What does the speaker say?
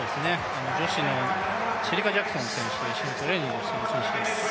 女子のシェリカ・ジャクソン選手と一緒にトレーニングしている選手です。